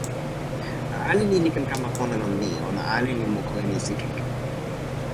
ale ni li ken kama pona lon ni: ona ale li moku e misikeke.